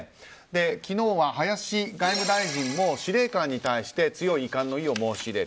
昨日は林外務大臣も司令官に対して強い遺憾の意を申し入れた。